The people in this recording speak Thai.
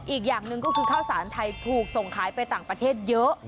อีกอย่างหนึ่งก็คือข้าวสารไทยถูกส่งขายไปต่างประเทศเยอะ